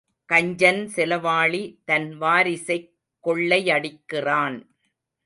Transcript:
கஞ்சன் செலவாளி தன் வாரிசைக் கொள்ளையடிக்கிறான்.